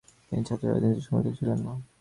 তিনি ছাত্র রাজনীতির সমর্থক ছিলেন না।